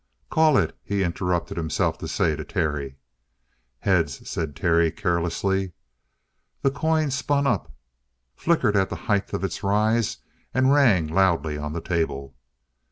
"Call it," he interrupted himself to say to Terry. "Heads," said Terry carelessly. The coin spun up, flickered at the height of its rise, and rang loudly on the table.